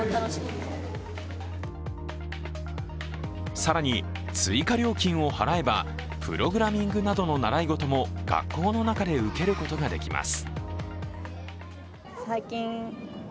更に追加料金を払えば、プログラミングなどの習い事も学校の中で受けることができます。